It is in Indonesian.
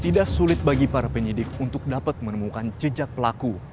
tidak sulit bagi para penyidik untuk dapat menemukan jejak pelaku